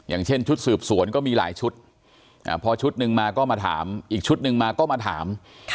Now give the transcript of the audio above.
อย่างเช่นชุดสืบสวนก็มีหลายชุดพอชุดหนึ่งมาก็มาถามอีกชุดหนึ่งมาก็มาถาม